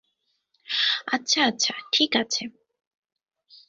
আচ্ছা, আচ্ছা, ঠিক আছে।